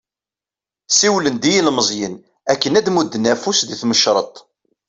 Siwlen-d i yilmeẓyen akken ad d-mudden afus di tmecreḍt.